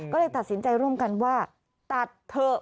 ก็เลยตัดสินใจร่วมกันว่าตัดเถอะ